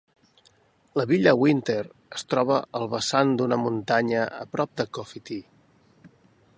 La Villa Winter es troba al vessant d"una muntanya a prop de Cofete.